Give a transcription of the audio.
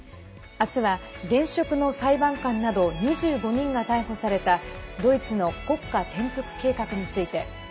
明日は、現職の裁判官など２５人が逮捕されたドイツの国家転覆計画について。